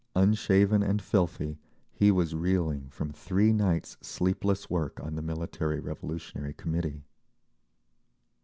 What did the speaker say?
Unshaven and filthy, he was reeling from three nights' sleepless work on the Military Revolutionary Committee.